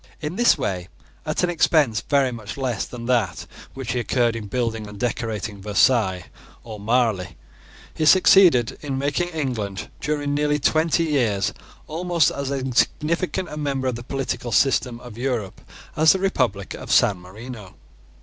In this way, at an expense very much less than that which he incurred in building and decorating Versailles or Marli, he succeeded in making England, during nearly twenty years, almost as insignificant a member of the political system of Europe as the republic of San Marino.